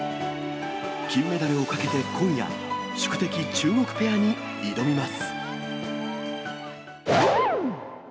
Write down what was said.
金メダルをかけて今夜、宿敵、中国ペアに挑みます。